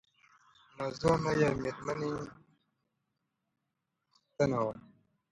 نازو انا یوه مېړنۍ پښتنه وه.